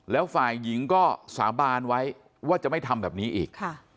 แล้วฝ่ายหญิงก็สาบานไว้ว่าจะไม่ทำแบบนี้อีก